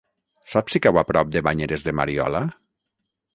Saps si cau a prop de Banyeres de Mariola?